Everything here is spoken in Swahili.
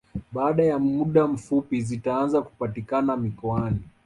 Baada ya muda mfupi zitaanza kupatikana mikoani